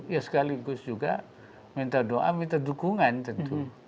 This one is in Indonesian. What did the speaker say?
ya sekaligus juga minta doa minta dukungan tentu